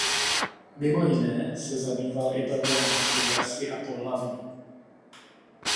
Mimo jiné se zabýval i problematikou rasy a pohlaví.